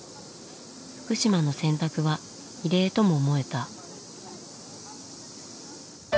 福島の選択は異例とも思えた。